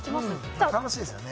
楽しいですよね。